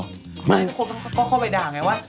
คนก็เข้าไปด่าไงว่า